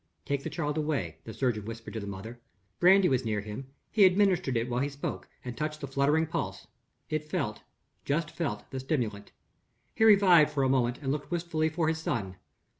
"Take the child away," the surgeon whispered to the mother. Brandy was near him; he administered it while he spoke, and touched the fluttering pulse. It felt, just felt, the stimulant. He revived for a moment, and looked wistfully for his son.